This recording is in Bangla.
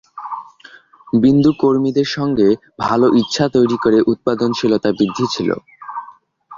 বিন্দু কর্মীদের সঙ্গে ভাল ইচ্ছা তৈরি করে উৎপাদনশীলতা বৃদ্ধি ছিল।